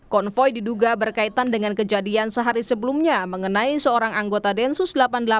konvoy diduga berkaitan dengan kejadian sehari sebelumnya mengenai seorang anggota densus delapan puluh delapan